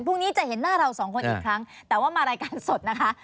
พรุ่งนี้จะเห็นหน้าเราสองคนอีกครั้งแต่ว่ามารายการสดนะคะ